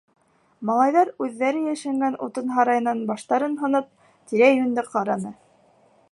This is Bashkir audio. Малайҙар, үҙҙәре йәшенгән утын һарайынан баштарын һоноп, тирә-йүнде ҡараны.